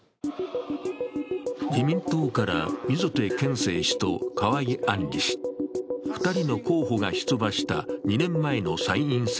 自民党から溝手顕正氏と河井案里氏２人の候補が出馬した２年前の参院選